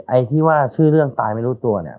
ไอ้ที่ว่าชื่อเรื่องตายไม่รู้ตัวเนี่ย